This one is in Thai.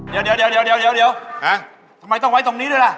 แล้วทำไมต้องไว้ตรงนี้ด้วยละ